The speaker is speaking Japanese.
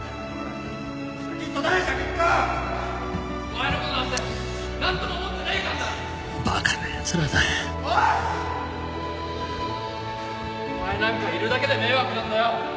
お前なんかいるだけで迷惑なんだよ。